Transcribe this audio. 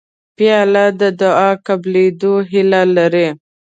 پیاله د دعا قبولېدو هیله لري